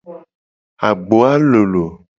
Agboa lolo.